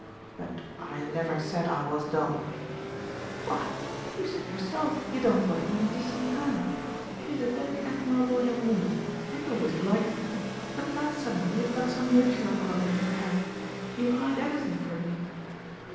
"But I never said I was dull." "Why, you said yourself you don't want even to see her. She is a very admirable young woman and you always liked her, but now suddenly you have got some notion or other in your head. You hide everything from me."